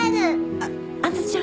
あっ杏ちゃん。